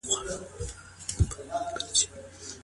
څنګه لوی سوداګر قیمتي ډبرې هند ته لیږدوي؟